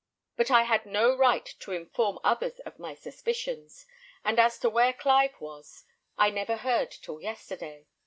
But I had no right to inform others of my suspicions; and as to where Clive was, I never heard till yesterday.